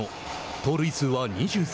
盗塁数は２３。